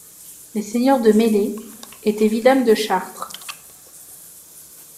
Les seigneurs de Meslay étaient vidames de Chartres.